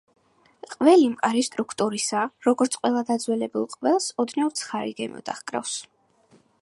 ყველი მყარი სტრუქტურისაა, როგორც ყველა დაძველებულ ყველს ოდნავ ცხარე გემო დაჰკრავს.